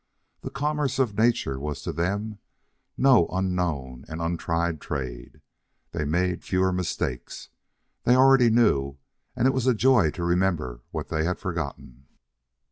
The commerce of nature was to them no unknown and untried trade. They made fewer mistakes. They already knew, and it was a joy to remember what they had forgotten.